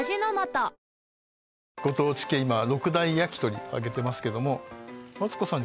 ご当地系今６大やきとりを挙げてますけどもマツコさん